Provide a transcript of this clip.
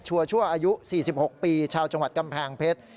ชั่วอายุ๔๖ปีชาวจังหวัดกำแพงเพชร